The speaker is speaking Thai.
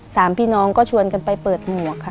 สามพี่น้องก็ชวนกันไปเปิดหมวกค่ะ